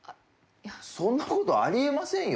そんなことありえませんよ